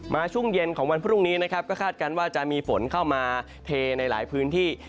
ช่วงเย็นของวันพรุ่งนี้นะครับก็คาดการณ์ว่าจะมีฝนเข้ามาเทในหลายพื้นที่